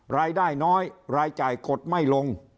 รายได้น้อยรายจ่ายกดไม่ลง